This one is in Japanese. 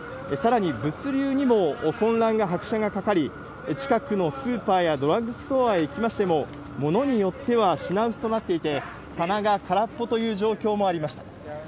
さらに物流にも混乱が拍車がかかり、近くのスーパーやドラッグストアへ行きましても、物によっては品薄となっていて、棚が空っぽという状況もありました。